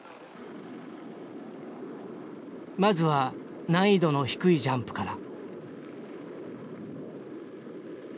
まずは難易度の低いジャンプから。